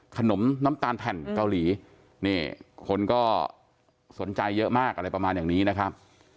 ขนมน้ำตาลแผ่นเกาหลีนี่คนก็สนใจเยอะมากอะไรประมาณอย่างนี้นะครับ